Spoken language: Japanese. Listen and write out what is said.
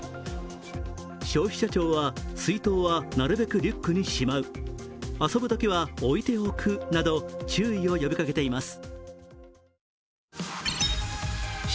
消費者庁は水筒はなるべくリュックにしまう、遊ぶときは置いておくなど、注意を呼びかけています。